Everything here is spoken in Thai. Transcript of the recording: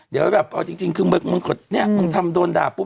ได้ว่าแบบเอาจริงคือเนี่ยมึงทำโดนด่า